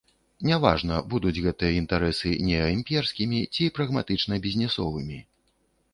Не важна, будуць гэтыя інтарэсы неаімперскімі ці прагматычна-бізнесовымі.